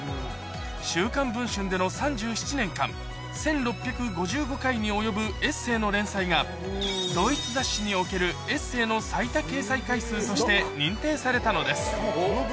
週刊文春での３７年間、１６５５回に及ぶエッセーの連載が、同一雑誌におけるエッセーの最多掲載回数として認定されたのです。